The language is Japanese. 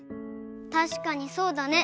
たしかにそうだね。